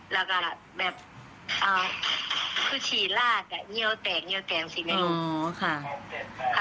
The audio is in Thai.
แล้วก็แบบเอ่อคือฉี่ราดเนียวแตกเนียวแตกสินะ